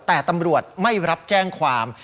แต่ตำรวจไม่รับแจ้งความ